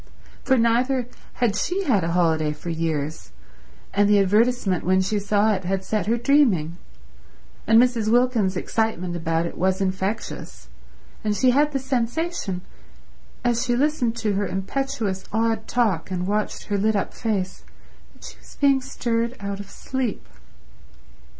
For neither had she had a holiday for years, and the advertisement when she saw it had set her dreaming, and Mrs. Wilkins's excitement about it was infectious, and she had the sensation, as she listened to her impetuous, odd talk and watched her lit up face, that she was being stirred out of sleep.